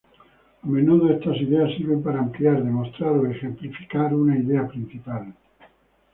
A menudo, estas ideas sirven para ampliar, demostrar o ejemplificar una idea principal.